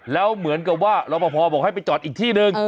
แล้วเหมือนกับว่ารอปภบอกให้ไปจอดอีกที่หนึ่ง